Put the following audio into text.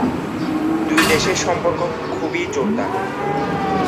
দুই দেশের সম্পর্ক খুবই জোরদার।